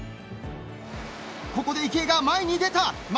ここで池江が前に出た！